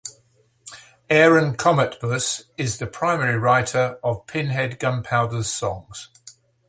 Aaron Cometbus is the primary writer of Pinhead Gunpowder's songs.